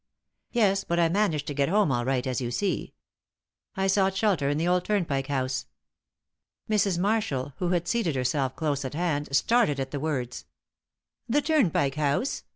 "Yes, but I managed to get home all right, as you see. I sought shelter in the old Turnpike House." Mrs. Marshall, who had seated herself close at hand, started at the words. "The Turnpike House!"